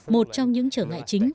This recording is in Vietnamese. một trong những trở ngại chính